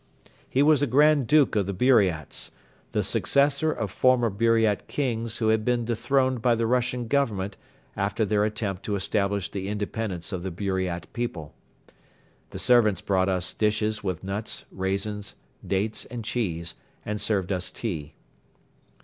He was a Grand Duke of the Buriats, the successor of former Buriat kings who had been dethroned by the Russian Government after their attempt to establish the Independence of the Buriat people. The servants brought us dishes with nuts, raisins, dates and cheese and served us tea.